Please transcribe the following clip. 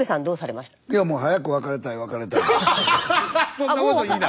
そんなこと言いな。